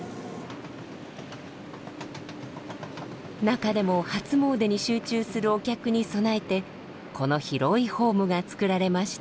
中でも初詣に集中するお客に備えてこの広いホームが作られました。